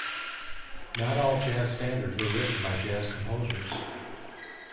Not all jazz standards were written by jazz composers.